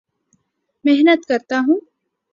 محنت کرتا ہوں